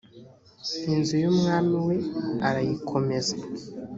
inzu y umwami we arayikomeza